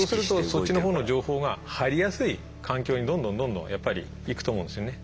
そっちのほうの情報が入りやすい環境にどんどんどんどんやっぱり行くと思うんですよね。